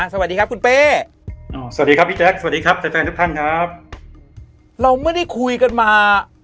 สวัสดีครับก็คุณแป้